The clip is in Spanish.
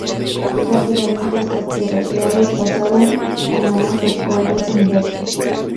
Rápidamente, estas tierras reales pasaron a manos del conde Humberto.